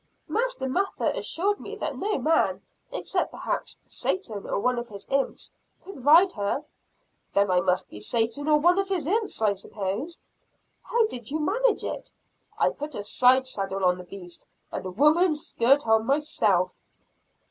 "Master Mather assured me that no man except perhaps Satan or one of his imps could ride her." "Then I must be Satan or one of his imps, I suppose." "How did you manage it?" "I put a side saddle on the beast; and a woman's skirt on myself."